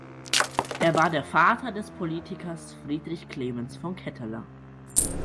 Er war der Vater des Politikers Friedrich Clemens von Ketteler.